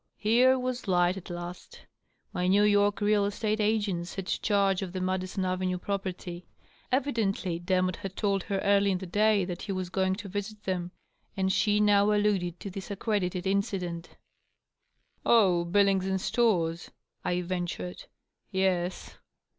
Here was light at last. My New York real estate agents had charge of the Madison Avenue property. Evidently Demotte had told her early in the day that he was going to visit tnem, and she now alluded to this accredited incident DOUGLAS DUANE. 621 " Ah, Billings and Storrs/' I ventured. « Yes."